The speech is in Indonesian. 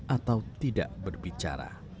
atau tidak berbicara